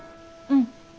うん。